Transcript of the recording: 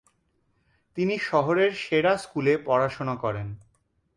তিনি শহরের সেরা স্কুলে পড়াশোনা করেন।